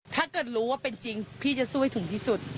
ถ้าเกิดว่าเป็นจริงพี่จะสู้ให้ถึงที่สุด